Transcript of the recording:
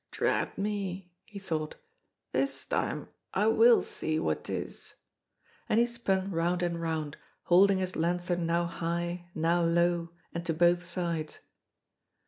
"Drat me!" he thought, "this time I will see what 'tis," and he spun round and round, holding his lanthorn now high, now low, and to both sides.